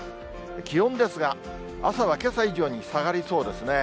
気温ですが、朝は、けさ以上に下がりそうですね。